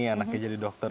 anaknya jadi dokter